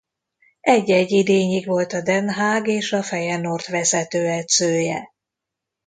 Egy-egy idényig volt a Den Haag és a Feyenoord vezetőedzője.